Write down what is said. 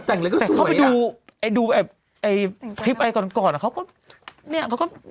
แต่เข้าไปดูคลิปไอก่อนเขาก็เนี่ยเขาก็